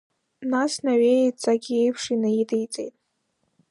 Нас Наҩеи дҵак еиԥш инаидиҵеит.